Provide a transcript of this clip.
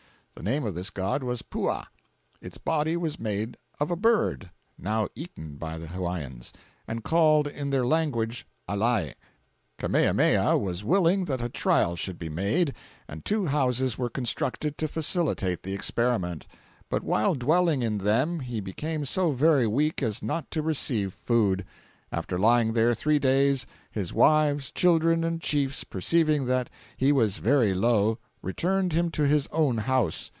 The name of this god was Pua; its body was made of a bird, now eaten by the Hawaiians, and called in their language alae. Kamehameha was willing that a trial should be made, and two houses were constructed to facilitate the experiment; but while dwelling in them he became so very weak as not to receive food. After lying there three days, his wives, children and chiefs, perceiving that he was very low, returned him to his own house.